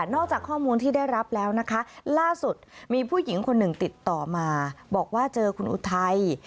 อกจากข้อมูลที่ได้รับแล้วนะคะล่าสุดมีผู้หญิงคนหนึ่งติดต่อมาบอกว่าเจอคุณอุทัย